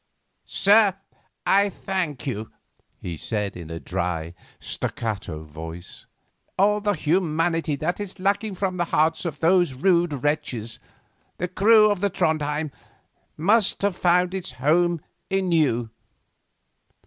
"Sir, I thank you," he said in a dry, staccato voice; "all the humanity that is lacking from the hearts of those rude wretches, the crew of the Trondhjem, must have found its home in you."